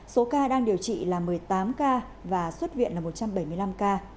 số ca đang điều trị là một mươi tám ca và xuất viện là một trăm bảy mươi năm ca